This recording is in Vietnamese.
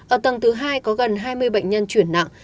ở tầng thứ hai có gần hai mươi bệnh nhân chuyển nặng